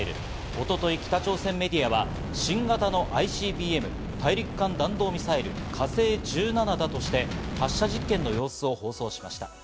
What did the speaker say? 一昨日、北朝鮮メディアは新型のＩＣＢＭ＝大陸間弾道ミサイル「火星１７」だとして、発射実験の様子を放送しました。